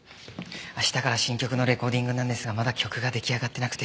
明日から新曲のレコーディングなんですがまだ曲が出来上がってなくて。